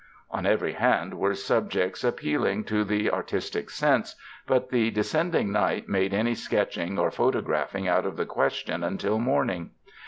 On every hand were subjects appealing to the ar tistic sense, but the descending night made any sketching or photographing out of the question un til morning.